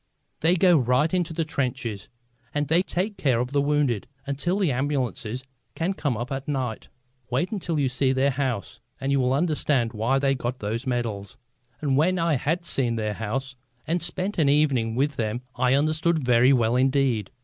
They go right into the trenches, and they take care of the wounded until the ambulances can come up at night. Wait until you see their house and you will understand why they got those medals." And when I had seen their house and spent an evening with them I understood very well indeed.